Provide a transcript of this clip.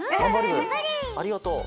ありがとう。